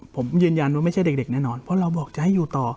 ผมยืนยันว่าไม่ใช่เด็กแน่นอนเพราะเราบอกจะให้อยู่ต่อ